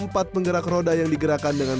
empat penggerak roda yang digerakkan dengan